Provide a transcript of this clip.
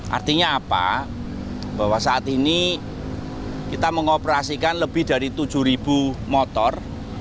artinya apa bahwa saat ini kita mengoperasikan lebih dari tujuh motor